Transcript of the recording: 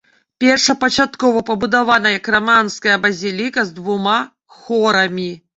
Першапачаткова пабудавана як раманская базіліка з двума хорамі.